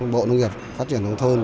bộ nông nghiệp phát triển đồng thôn